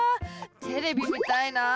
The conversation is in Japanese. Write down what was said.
テレビ見たいな。